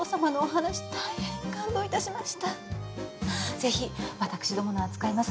是非私どもの扱います